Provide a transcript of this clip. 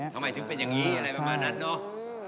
ทำไมถึงเป็นอย่างนี้อะไรประมาณนั้นเนาะ